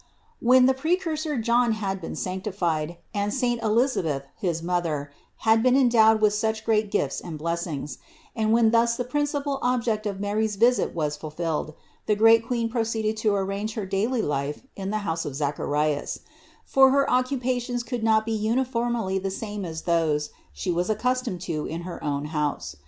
231. When the Precursor John had been sanctified and saint Elisabeth, his mother, had been endowed with such great gifts and blessings, and when thus the princi pal object of Mary's visit was fulfilled, the great Queen proceeded to arrange her daily life in the house of Zach arias; for her occupations could not be uniformly the same as those She was accustomed to in her own house.